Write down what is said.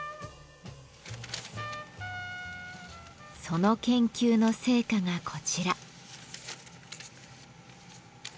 その研究の成果がこちら。